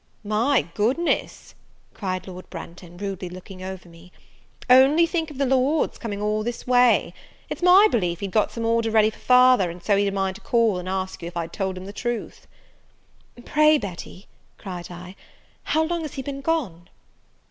"My goodness," cried young Branghton, rudely looking over me, "only think of that Lord's coming all this way! It's my belief he'd got some order ready for father, and so he'd a mind to call and ask you if I'd told him the truth." "Pray, Betty," cried I, "how long has he been gone?"